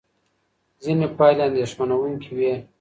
ځینې پایلې اندېښمنوونکې وې.